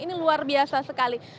ini luar biasa sekali